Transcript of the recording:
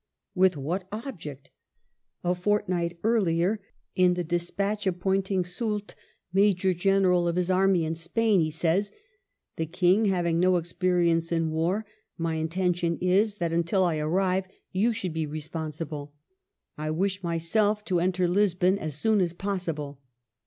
With what object? A fortnight earlier, in the dispatch ap CHAP. VII ORIGIN OF " THE LINES'' 129 pointing Soult Major General of his army in Spain, he says :" The Eang having no experience in war, my in tention is that, until I arrive, you should be responsibla I wish myself to enter Lisbon as soon as possible."